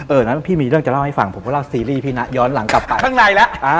นั้นพี่มีเรื่องจะเล่าให้ฟังผมก็เล่าซีรีส์พี่นะย้อนหลังกลับไปข้างในแล้ว